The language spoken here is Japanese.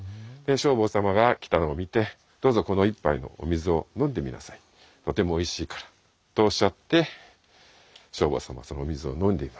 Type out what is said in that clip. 聖宝様が来たのを見て「どうぞこの１杯のお水を飲んでみなさいとてもおいしいから」とおっしゃって聖宝様はそのお水を飲んでいました。